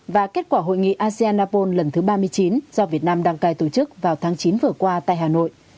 và kết quả hội nghị asean apol lần thứ ba mươi chín do việt nam đăng cai tổ chức vào tháng chín vừa qua tại hà nội